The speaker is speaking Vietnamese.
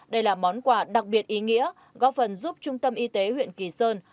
đây là món quà đặc biệt ý nghĩa góp phần giúp trung tâm y tế huyện kỳ sơn